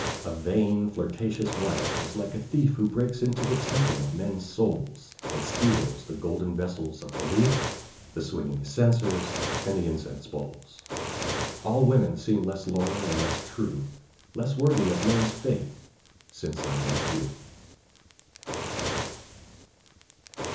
A vain, flirtatious wife is like a thief Who breaks into the temple of men's souls, And steals the golden vessels of belief, The swinging censers, and the incense bowls. All women seem less loyal and less true, Less worthy of men's faith since I met you.